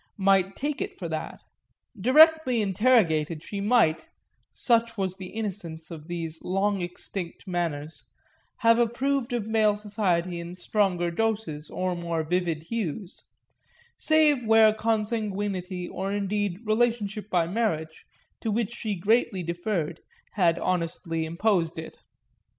might take it for that. Directly interrogated she might (such was the innocence of these long extinct manners) have approved of male society in stronger doses or more vivid hues save where consanguinity, or indeed relationship by marriage, to which she greatly deferred, had honestly imposed it.